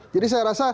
jadi saya rasa